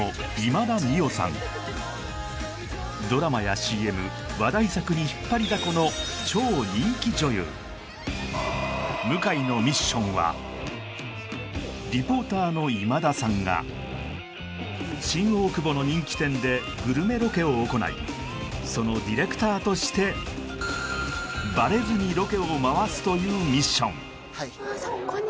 ドラマやＣＭ話題作にひっぱりだこの向井のミッションはリポーターの今田さんが新大久保の人気店でグルメロケを行いそのディレクターとしてバレずにロケを回すというミッション